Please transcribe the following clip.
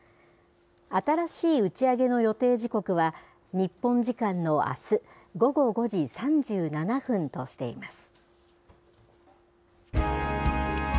新しい打ち上げの予定時刻は、日本時間のあす午後５時３７分としています。